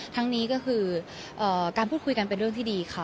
ทั้งนี้ก็คือการพูดคุยกันเป็นเรื่องที่ดีค่ะ